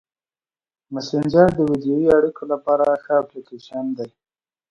مسېنجر د ویډیويي اړیکو لپاره ښه اپلیکیشن دی.